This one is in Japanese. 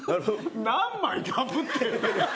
何枚かぶってるんだよ。